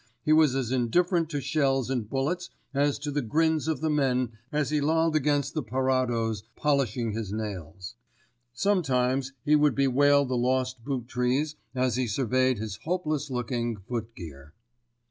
He was as indifferent to shells and bullets as to the grins of the men as he lolled against the parados polishing his nails. Sometimes he would bewail the lost boot trees as he surveyed his hopeless looking foot gear.